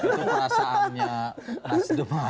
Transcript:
itu perasaannya nasdem aja